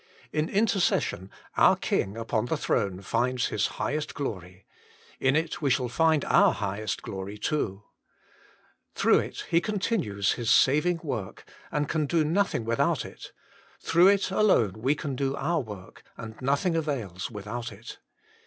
In intercession our King upon the throne finds His highest glory; in it we shall find our highest glory too. Through it He continues His saving work, and can do nothing without it ; through it alone we can do our work, and nothing avails without it.